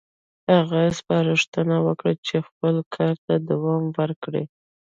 هغه سپارښتنه وکړه چې خپل کار ته دوام ورکړي.